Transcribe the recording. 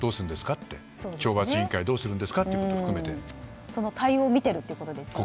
懲罰委員会どうするんですかってこともその対応を見ているということですよね。